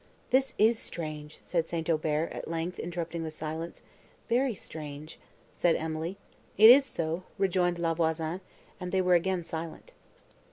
"This is strange!" said St. Aubert, at length interrupting the silence. "Very strange!" said Emily. "It is so," rejoined La Voisin, and they were again silent.